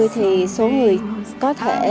thì số người có thể